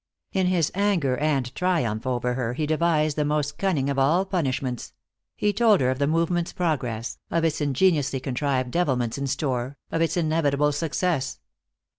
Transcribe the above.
In his anger and triumph over her he devised the most cunning of all punishments; he told her of the movement's progress, of its ingeniously contrived devilments in store, of its inevitable success.